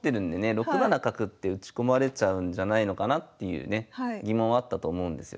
６七角って打ち込まれちゃうんじゃないのかなっていうね疑問はあったと思うんですよ。